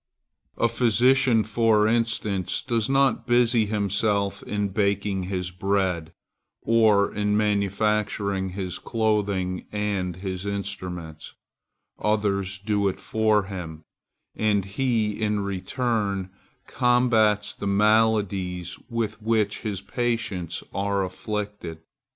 A physician, for instance, does not busy himself in baking his bread, or in manufacturing his clothing and his instruments; others do it for him, and he, in return, combats the maladies with which his patients are afflicted.